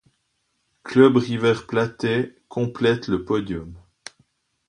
Club River Plate complète le podium.